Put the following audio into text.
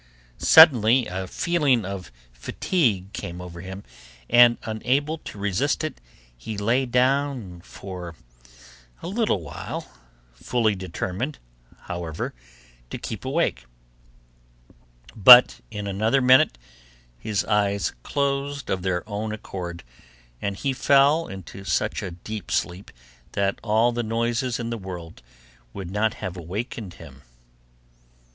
Suddenly a feeling of fatigue came over him, and unable to resist it, he lay down for a little while, fully determined, however, to keep awake; but in another minute his eyes closed of their own accord, and he fell into such a deep sleep, that all the noises in the world would not have awakened him.